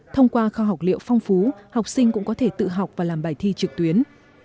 thông qua kho học liệu phong phú học sinh cũng có thể tự học và làm bài thi trực tuyến